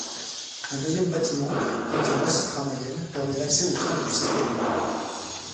Un deuxième bâtiment, côté Moissy-Cramayel, permet l’accès aux trains depuis cette commune.